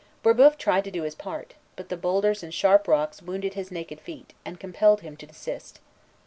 Brébeuf tried to do his part; but the boulders and sharp rocks wounded his naked feet, and compelled him to desist.